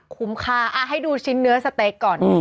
คุ้มค่าให้ดูชิ้นเนื้อสเต๊กก่อน